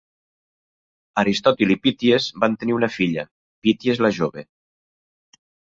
Aristòtil i Píties van tenir una filla, Píties la Jove.